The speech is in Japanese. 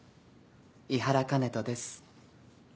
井原香音人です。